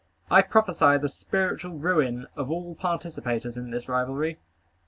I prophesy the spiritual ruin of all participators in this rivalry.